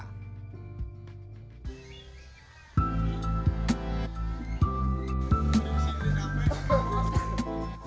kementerian desa pembangunan daerah tertinggal dan transmigrasi